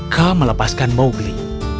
kaa melepaskan mowgli